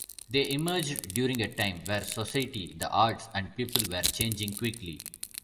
They emerged during a time where society, the arts and people were changing quickly.